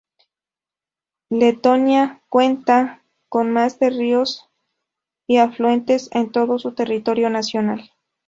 Letonia cuenta con más de ríos y afluentes en todo su territorio nacional.